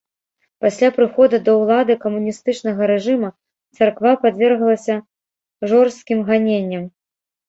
Пасля прыхода да ўлады камуністычнага рэжыма царква падверглася жорсткім ганенням.